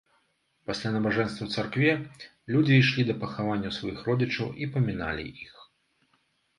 Пасля набажэнства ў царкве людзі ішлі да пахаванняў сваіх родзічаў і паміналі іх.